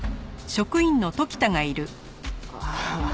ああ。